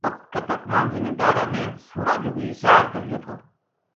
اُت کنک ما زمیداراں نے سوراں جُگی زاہر دَھریو تھو